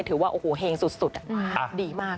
ถือว่าเฮงสุดดีมาก